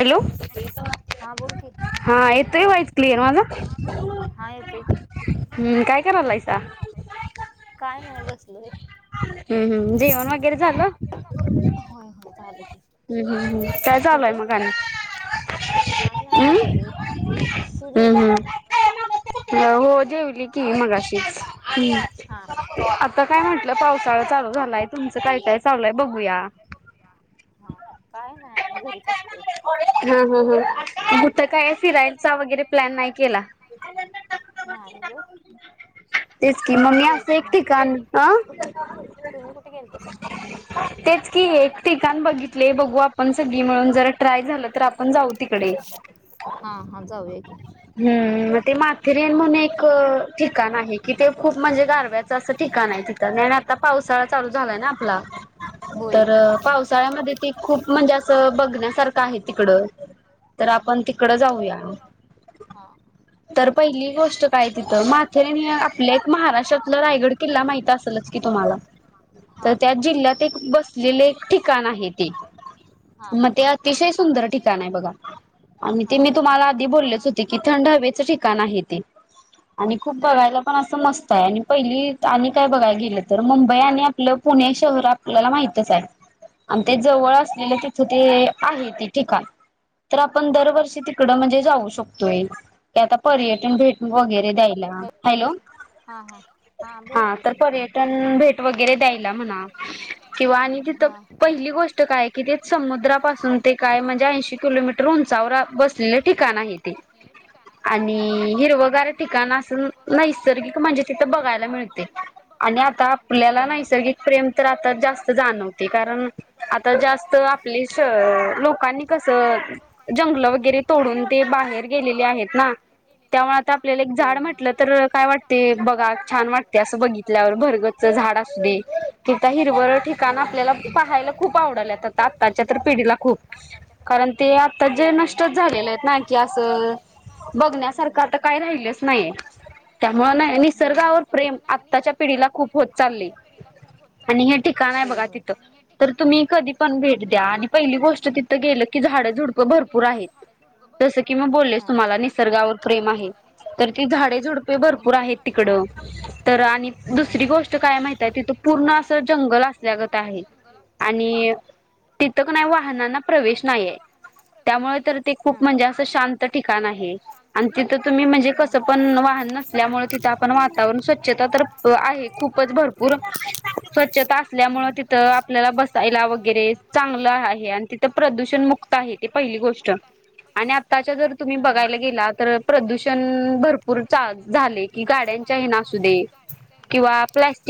Hello हा यो हम्म काय करालायसा हम्म हम्म जेवण वगैरे झालं हम् हम्म हम् काय चालूय मग आणि काय नाही बसल तुझे गीस का नाही अ हो जेवली की मग अशीच् आता काय म्हटलं पावसाळा चालू झालाय तुमचं काय काय चालू आहे बघूया हा काय नाही आम्ही घरीच असतोय ह ह ह भुथ काय फिरायलचा वगैरे प्लॅन नाही केला नाही ये गो तेच कि मगमी असं एक ठिकाण अ तेच कि एक ठिकाण बघित त बघू आपण सगळी म्हळून जर ट्राय झालं तर आपण जाऊ तिकडे व हम् म ते माथेरेन म्हणून एक ठिकाण आहे कि ते खूप म्हणजे गारव्याचं असं ठिकाण तथ आ पाव चालू झालाय आप तर पावसाळ्यामध्ये ते खूप म्हणजे असं बघण्यासारखं आहे तिकड तर आपण तिकडं जाऊया हा तर पहिली गोष्ट काय तिथं माथेरान आपल्या एक महाराष्ट्रातलं रायगड किल्ला माहित असेलच क तुम्हाला तर त्या जिल्ह्यात एक बसलेले ठिकाण आहेत म ते अतिशय ठ बी त ब हो ं इथ ठिकाण आहे ते? आणि खूप बघायला पण असं मस्त आहे आणि पहिली आणि काय बघायला गेलं तर मुंबई आणि आपलं. पुणे शहर आपल्याला माहितच आहे? ते जवळ असलेलं तिथं ते आहे ते ठिकाण? तर आपण दरवर्षी तिकड म्हणजे जाऊ शकतोय की आता पर्यटन भेट- वगैरे द्यायला हॅलो हा तर पर्यटन भेट वगैरे- द्यायला म्हणा किंवा आणि तिथ कोण- पहिली गोष्ट काय कि ते समुद्रापासून ते काय म्हणजे ऐंशी किलोमीटर उंचावर बसलेले ठिकाण- आहे ते ठिकाण असून नैसर्गिक म्हणजे तिथं बघायला मिळते आणि आता आपल्याला नैसर्गिक- प्रेम तर आता जास्त जाणवते कारण- आता जास्त आपले स लोकांनी कस जंगल वगैरे तोडून ते- बाहेर गेली आहेत ना त्यामुळे आता. आपल्याला एक झाड म्हटलं तर काय वाटते बघा छान वाटते असं बघितल्यावर भरगच्च झाड असू दे. तिथ हिरवळ ठिकाण आपल्याला पाहायला खुप खुप आवडल्यात आताच्या तर पिढीला खूप कारण ते आता जे नष्टच झालेले आहेत ना की? अस बघण्यासारखं आता काय राहिलच नाहीये? त्यामुळे नाही निसर्गावर प्रेम आत्ताच्या पिढीला खूप होत चाललय आणि हे ठि- छान आहे बघा तिथ. तर तुम्ही कधी पण भेट द्या आणि पहिली गोष्ट तिथं गेलं की झाडं झुडपं भरपूर आहेत. जसं की मी बोललेस तुम्हाला निसर्गावर प्रेम आहे? तर ती झाडे झुडपे भरपूर आहेत तिकडं तर आणि दुसरी गोष्ट काय माहित आहे तिथ. पूर्ण अस जंगल असल्यागत आहे आणि, आणि तिथं कुणी वाहनांना प्रवेश नाही आहे. त्यामुळे तर ते खूप म्हणजे असं शांत ठिकाण आहे आणि तिथं तुम्ही म्हण- पण वाहन नसल्यामुळे तिथं आपण वातावरण स्वच्छता तर आहे खूपच भरपूर. स्वच्छता असल्यामुळे तिथं. य वगैरे चांगल आहे आणि तिथ प्रदूषण मुक्त आहे ते पहिली गोष्ट. आताच्या जर तुम्ही बघायला गे तर प्रदूषण होय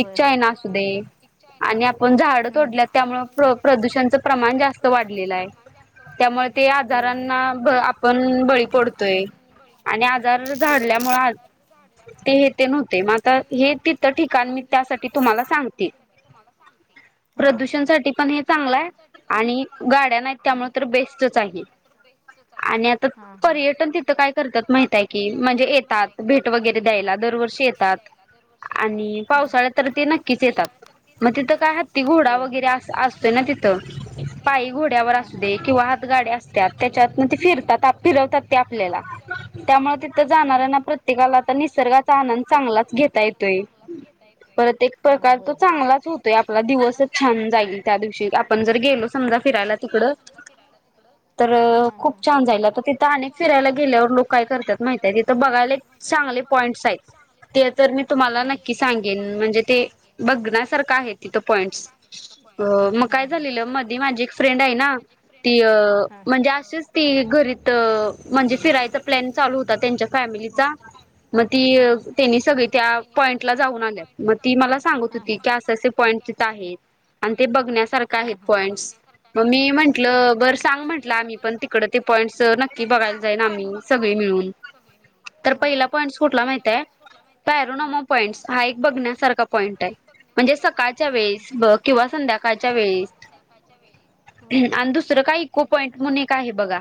होय आणि आपण झाड- तोडल्या त्यामुळे प्रदूषणचं प्रमाण जास्त वाढलेलं आहे. वा त्यामुळे आजारांना आपण बळी पडतोय. जार झाडल्यामुळे आज. ते हे तेन होतय मग आता हे तिथ ठिकाण मी त्यासाठी तुम्हाला सांगतेय. [unintelligible] प्रदूषण साठी पण हे चांगलं आहे आणि गाड्या नाहीत त्यामुळे तर बेस्टच आहे. आणि आता पर्यटन तिथं काय करतात माहित आहे. की म्हणजे येतात भेट वगैरे द्यायला दरवर्षी येतात आणि पावसाळ्या तर तेन. नक्कीच येतात मग तिथ काय ते घोडा वगैरे अस असतो ना तिथं पायी घोड्यावर असू दे किंवा हातगाडी असत्या. यांतुन ते फिरतात फिरवतात आपल्याला. तिथ जाणाऱ्याना प्रत्येकाला निसर्गाचा आनंद चांगलाच घेता येतोय. एक प्रकार तो चांगलाच होतोय आप दिवसच छान जाईल त्या दिवशी आपण जर गेलो समजा फिरायला तिकडं तर अ खूप छान जाईल, आता तिथं अनेक फिरायला गेल्यावर लोकं काय काय करत्यात माहित आहे बघायला चांगले पॉईंट्स आहेत, ते तर मी तुम्हाला नक्की सांगेन. म्हणजे ते बघण्यासारखं आहेत. तिथं पॉइंट्स, अ मग काय झालेलं मध्ये माझी एक फ्रेंड आहे ना ती अ म्हणजे अशीच ती घरीत म्हणजे फिरायचं प्लॅन चालू होता त्यांच्या फॅमिलीचा, मग ती त्यांनी सगळी त्या पॉईंटला जाऊन आल्यात. मग ती मला सांगत होती की असे असे पॉईंट तिथं आहेत. आणि ते बघण्यासारखं आहेत पॉईंट्स, मग मी म्हंटलं बरं सांग म्हटलं आम्ही पण तिकडं ते पॉईंट्स अ नक्की बघायला जाईन आम्ही सगळे मिळून, तर पहिला पॉईंट्स कुठला माहितय? पॅरोनोमा पॉइंट्स हा एक बघण्यासारखा पॉईंट आहे, म्हणजे स काळच्या वेळेस किंवा संध्याकाळच्या वेळेस, आन दुसरं काय इको पॉ पॉईंट म्हणून एक आहे बघा,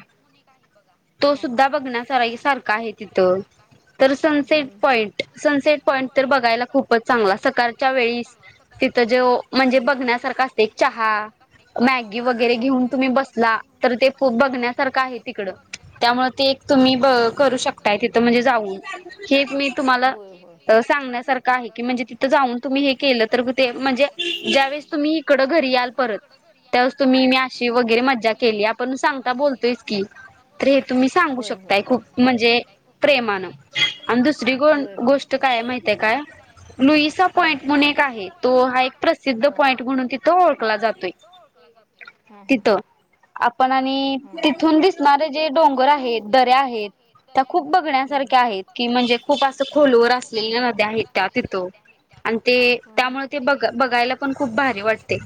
तो सुद्धा बघ बघण्या सार हाय सारख हाये तिथ. तर सनसेट पॉंई ट, सनसेट पॉंईट तर बघायला खुप खूपच चांगला. सकाळच्या वेळीस तिथं ज्यो म्हणजे बघण्यासारख असतय. चहा, मॅगी वगेरे घेऊन तुम्ही बसला तर, ते खूप बघण्यासारखं आहे तिकड. त्यामुळ ते एक तुम्ही करू शकताय, अ तिथ म्हणजे जाऊन, हे मी तुम्हाला सांगण्यासारखं खं आहे की, म्हंजे तिथ जावून तुम्ही हे केलत तर एक हुतय, ते म्हणजे ज्यावेेळेस तुम्ही इकडं घरी याल परत त्यावेळेस तुम्ही मी अशी वगैरे मज्जा केली, आपण सांगता बोलतोयस की, तर हे तुम्ही सांगू शकताय, खूप म्हणजे प्रेमानं आणि दुसरी गों गोष्ट काय हाय माहिती हाय काय? लुईसा पॉईंट म्हनुन एक आहे. तो हा एक प्रसिद्ध पॉईंट म्हणून तिथं ओळखला जातोय. हा हा. आपण आणि तिथून दिसणारे जे डोंग र आहेत, दऱ्या आहेत, त्या खूप बघण्यासारख्या आहेत की, म्हणजे खूप अस खोलवर असलेले त्या हिता तीथो आणि ते त्यामुळे ते ब बघायला पण, खूप भारी वाटते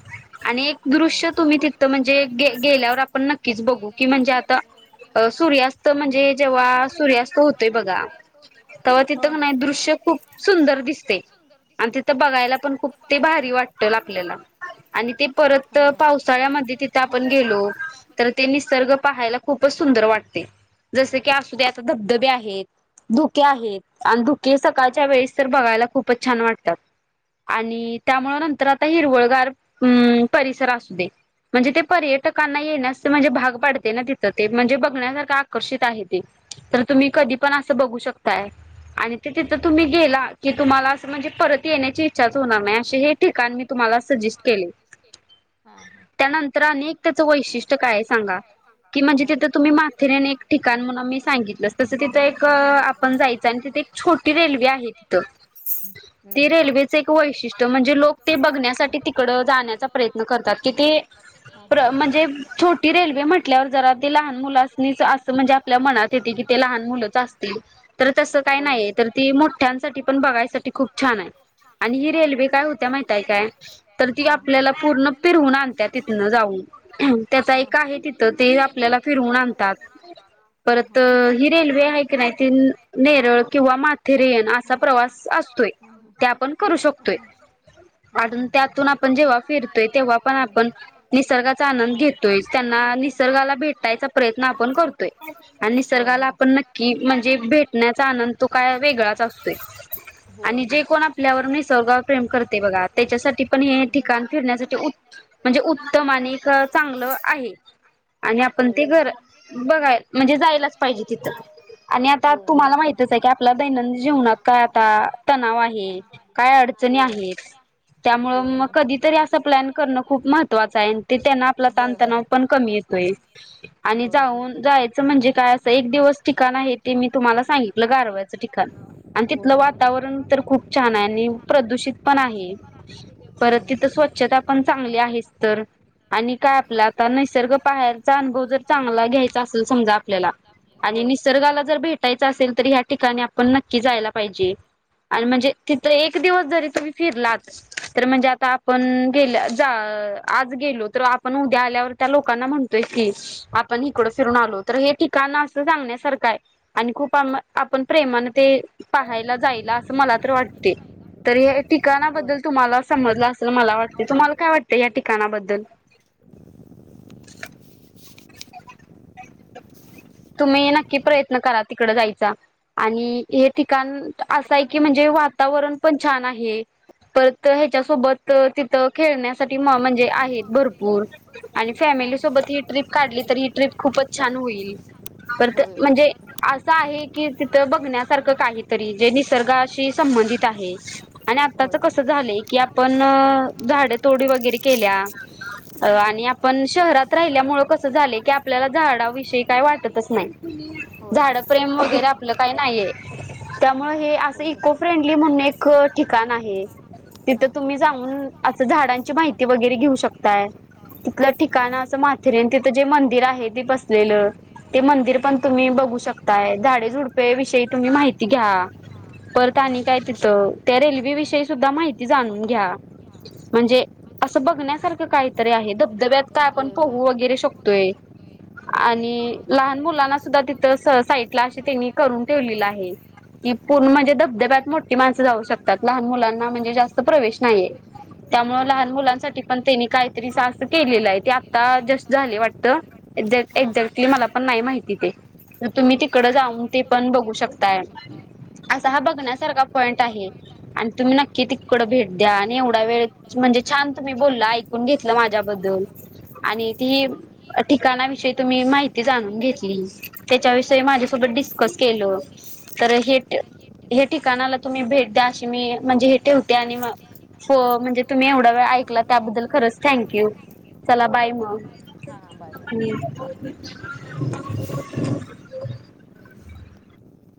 आणि एक दृश्य तुम्ही तिथं म्हणजे केल्यावर आपण नक्कीच बघू, की म्हणजे आता अ सूर्यास्त म्हणजे जेव्हा सूर्यास्त होतोय बघा, तेव्हा तिथं का नाही दृश्य खुप सुंदर दिसतय आणि तिथ बघायला खूप पण खूप ते भारी वाटल, आपल्याला आणि ते परत पावसाळ्यामध्ये तिथं आपण गेलो तर ते निसर्ग पाहायला खूपच सुंदर वाटते. जस की असुद्या, आता धबधबे आहेत धुके आहेत आणि धुके सकाळच्या वेळेस तर, बघायला खूपच छान वाटतात. आणि त्यामुळं नंतर आता हिरवळगार हम्म परिसर असू दे म्हणजे ते पर्यटकांना येण्यास म्हणजे भाग पाडते ना तिथं ते म्हणजे बघण्यासारखं आकर्षित आहे ते. तर तुम्ही कधी पण असं बघू शकताय. आणि ते तिथं तुम्ही गेला, की तुम्हाला असं म्हणजे परत येण्याची इच्छाच होणार नाही. चे हे ठिकाण मी तुम्हाला सजेस्ट केलंय, त्यांनतर आणि एक त्याचं वैशिष्ट्य का वैशिष्ट्य काय आहे सांगा? हा, की म्हणजे तुम्ही तिथं माथेरान एक ठिकाण म्हणून मी एक सांगितलं, तुम्हाला माहितीय? आपण जायचं आणि तिथे एक छोटी रेल्वे आहे तिथं, ती रेल्वे च एक वैशिष्ट्य म्हण जे लोक ते बघण्यासाठी तिकडं जाण्याचा प्रयत्न करतात की ते प्र म्हणजे छोटी रेल्वे म्हटल्यावर जरा ते लहान मुलास्नीच अस म्हणजे आपल्या मनात येते की ते लहान मुलंच असतील. तर तसं काय नाही, तर ती मोठ्यांसाठी पण बघायसाठी खूप छान आहे, आणि ही रेल्वे काय हो त्या माहितीय काय? पण ती आपल्याला पूर्ण फिरवून आणत्या तिथनं जाऊन ते आता एका ती आता एक हाय तिथं ती आपल्याला फिरवून आणता ग, हा हा, परत अ ही रेल्वे हाय की नाय नेरळ किंवा माथेरेयन असा प्रवास असतोय ते आपण करू शकतोय अून त्यातून आपण जेव्हा फिरतोय तेव्हा पण आपण निसर्गाचा आनंद घेतोय त्यांना भ प्रयय निा आप न म्हणे भे वेतो आपल्या बा त्याच्यासाठी पण हे ठिकाण फिरण्यासाठी म्हणजे उत्तम आणि चांगलं आहे आणि आपण ते घर बघाय म्हणजे जायलाच पाहिजे तिथं आणि आता तुम्हाला माहितच आहे की आपला दैनंदिन जीवनात काय आता तणाव आहे आहेत त्यामुळ मग कधीतरी असं प्लॅन करणं खूप महत्वाचं आहे ते त्यांना आपला ताणतणाव पण कमी आणि जाऊन जायचं म्हणजे काय असं एक दिवस ठिकाण आहे ते मी तुम्हाला सांगित गारवाचं ठिकाण आणि तथलं वातावरण तर खूप छान आहे प्रदूषित पण आहे परत तिथं स्वच्छता पण चांगली आहेच तर आणि काय आपला आता निसर्ग पाहायचा अनुभव जर चांगला घ्यायचा असेल समजा आपल्याला आणि निसर्गाला जर भेट टायच असेल तर ह्या ठिकाणी आपण नक्की जायला पाहिजे आणि म्हणजे तिथ एक दिवस जरी तुम्ही फिरलात तर म्हणजे आता आपण गेला जा आज गेला गेलो तर आपण उद्या आल्यावर त्या लोकांना म्हणतोय की आपण इकड फिरून आलो तर हे ठिकाण सांगण्यासारख आहे आणि खूप आम आपण प्रेमान ते पाहायला जायल असं मला तर वाट तर हे ठिकाणाबद्दल तुम्हाला समजला अस मला वाटतय तुम्हाला काय वाटतय ह्या ठिकाण कानाबद्दल तुम्ही नक्की प्रयत्न करा तिकड जायचा आणि हे ठिकाण असं आहे की म्हणजे वातावरण पण छान आहे परत ह्याच्यासोबत तिथ खेळण्या म्हणजे आहेत भरपूर आणि फॅमिली सोबत ही ट्रिप काढली तर ही ट्रिप खूपच छान होईल म्हणजे असं आहे की तिथ बघण्यासारखं काहीतरी जे निसर्गाशी संबंध संबंधित आहे आणि आताच कस झालय की आपण झाडे तोडी वगैरे केल्या आणि आपण शहरात राहिल्यामुळ कसं झाले की आपल्याला झाडाविषयी काय वाटत तस नाही झाड प्रेम वगैरे आपलं काही नाहीये त्यामुळे हे असं इको फ्रेंडली म्हणून एक ठिकाण आहे तिथं तुम्ही जाऊन असं झाडांची माहिती वगैरे घेऊ शकताय तिथलं ठिकाण असं माथेरीेन तिथं जे मंदिर आहे ते बसलेलं ते मंदिर पण तुम्ही बघू शकताय झाडे झुडपे विषयी तुम्ही माहिती घ्या परत आणि काय तिथं त्या रेल्वे विषयी सुद्धा माहिती जाणून घ्या म्हणजे असं बघण्यासारखं काहीतरी आहे धबधब्यात काय आपण पोहू वगैरे शकतोय आणि लहान मुलांना सुद्धा तिथं साईटला अशी त्यांनी करून ठेवलेलं आहे की पूर्ण म्हणजे धबधब्यात मोठी माणसं जाऊ शकतात लहान मुलांना म्हणजे जास्त प्रवेश नाहीये त्यामुळ लहान मुलांसाठी पण त्यांनी काहीतरी अस त्यानी केलेलंय ते आता जस्ट झालय वाटत एक्झॅक्टली मला पण नाही माहिती ते तुम्ही तिकड जाऊन ते पण बघू शकताय असा हा बघण्यासारखा पॉईंट आहे आणि तुम्ही नक्की तिकड भेट द्या आणि एवढा वेळ म्हण म्हणजे छान तुम्ही बोलला ऐकून घेतलं माझ्याबद्दल आणि ती ठिकाणाविषयी तुम्ही माहिती ती जाणून घेतली त्याच्याविषयी माझ्यासोबत डिस्कस केलं तर हे हे ठिकाणाला तुम्ही भेट द्या अशी मी म्हणजे हे ठेवते आणि मग हो म्हणजे तुम्ही एवढा वेळ ऐकला त्याबद्दल खरंच थँक्यू चला बाय मग